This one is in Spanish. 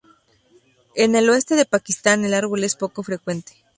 En el oeste de Pakistán, el árbol es poco frecuente.